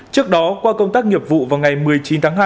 trước đó qua công tác nghiệp vụ vào ngày một mươi chín tháng hai